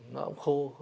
nó cũng khô